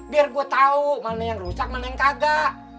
biar gua tau mana yang rusak mana yang kagak